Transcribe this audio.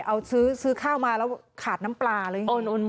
เอาซื้อซื้อข้าวมาแล้วขาดน้ำปลาเป็นไงไม่แน่ใจเหมือนกับนะ